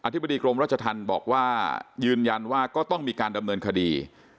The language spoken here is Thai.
ธิบดีกรมรัชธรรมบอกว่ายืนยันว่าก็ต้องมีการดำเนินคดี